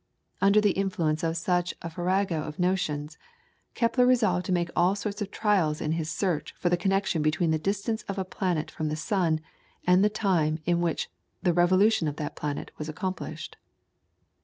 Under the influence of such a farrago of notions, Kepler resolved to make all sorts of trials in his search for the connection between the distance of a planet from the sun and the time in which the revolution of that planet was accomplished.